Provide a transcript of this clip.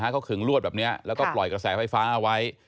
เขาขึงลวดแบบนี้แล้วก็ปล่อยกระแสไฟฟ้าเอาไว้